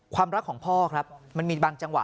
ความรักของพ่อครับมันมีบางจังหวะ